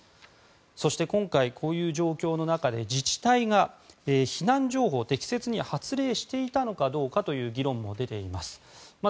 そして今回、こういう状況の中で自治体が避難情報を適切に発令していたのかどうかという議論も出ています。